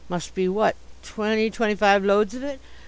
Must be what? twenty twenty five loads of it.